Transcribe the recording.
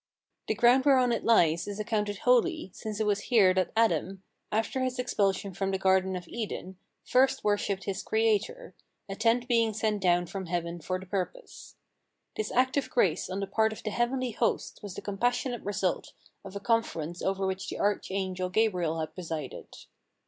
The ground whereon it lies is accounted holy, since it was here that Adam, after his expulsion from the Garden of Eden, first worshiped his Creator, a tent being sent dowTi from heaven for the purpose. This act of grace on the part of the heavenly hosts was the com passionate result of a conference over which the arch angel Gabriel had presided.